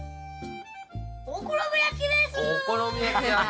お好み焼きです。